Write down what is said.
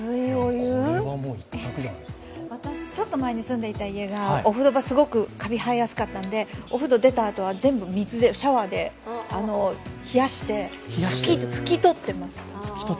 私、ちょっと前に住んでた家がお風呂場すごくカビ生えやすかったのでお風呂出たあとは、全部水、シャワーで冷やして拭き取ってました。